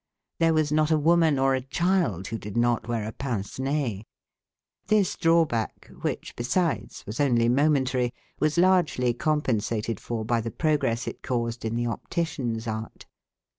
There was not a woman or a child, who did not wear a pince nez. This drawback, which besides was only momentary, was largely compensated for by the progress it caused in the optician's art.